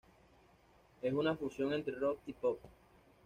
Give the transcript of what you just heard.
Es una fusión entre "rock" y pop.